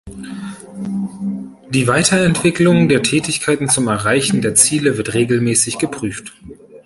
Die Weiterentwicklung der Tätigkeiten zum Erreichen der Ziele wird regelmässig geprüft.